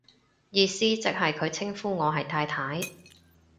意思即係佢稱呼我係太太